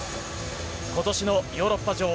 今年のヨーロッパ女王。